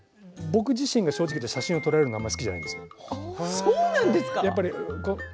僕自身がお写真を撮られるのはあまり好きじゃないんですよ。